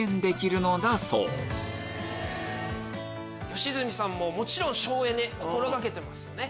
良純さんももちろん省エネ心掛けてますよね。